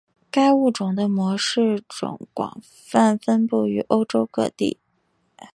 该物种的模式种广泛分布于欧洲各地。